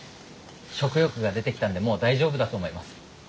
食欲が出てきたんでもう大丈夫だと思います。